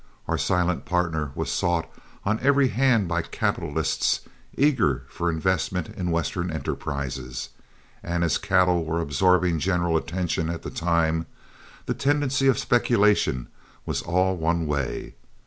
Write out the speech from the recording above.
Our silent partner was sought on every hand by capitalists eager for investment in Western enterprises, and as cattle were absorbing general attention at the time, the tendency of speculation was all one way.